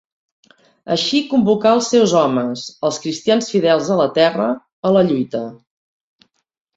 Així convocà els seus homes, els cristians fidels a la terra, a la lluita.